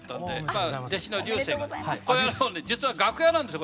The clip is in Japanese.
実は楽屋なんですよ